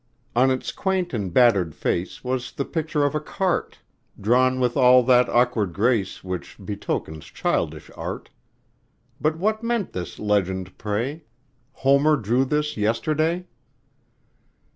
On its quaint and battered face Was the picture of a cart, Drawn with all that awkward grace Which betokens childish art; But what meant this legend, pray: "Homer drew this yesterday?"